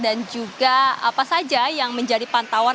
dan juga apa saja yang menjadi pantauan